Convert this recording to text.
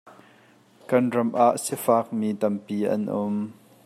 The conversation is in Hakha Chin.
Kan ram ah sifak mi tampi an um.